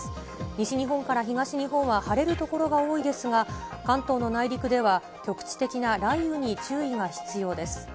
西日本から東日本は晴れる所が多いですが、関東の内陸では局地的な雷雨に注意が必要です。